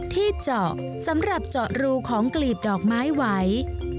ที่เจาะสำหรับเจาะรูของกลีบดอกไม้ไหว